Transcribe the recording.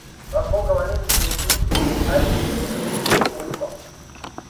Abakobwa bane bicaye kuri ATV yubururu mu murima